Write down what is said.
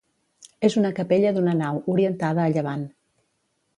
És una capella d'una nau, orientada a llevant.